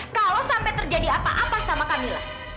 kalau sampai terjadi apa apa sama kamilah